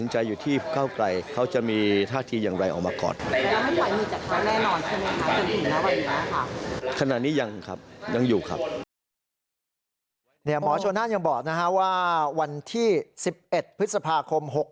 หมอชนน่านยังบอกว่าวันที่๑๑พฤษภาคม๖๖